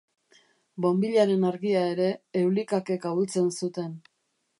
Bonbilaren argia ere, euli kakek ahultzen zuten.